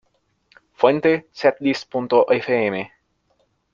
Fuente: Setlist.fm